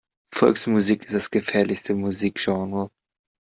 Volksmusik ist das gefährlichste Musikgenre.